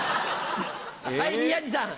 はい宮治さん。